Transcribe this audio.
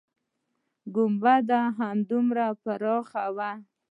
گنبده همدومره پراخه هم وه.